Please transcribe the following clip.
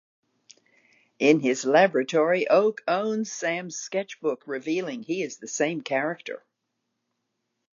In his laboratory, Oak owns Sam's sketchbook, revealing he is the same character.